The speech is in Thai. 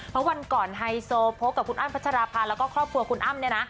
เพราะวันก่อนไฮโซพบกับคุณอ้ำพัชราภาแล้วก็ครอบครัวคุณอ้ำเนี่ยนะ